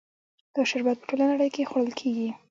دا شربت په ټوله نړۍ کې خوړل کیږي.